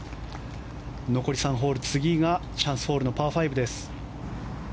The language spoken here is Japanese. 残り３ホール次がチャンスホールのパー５。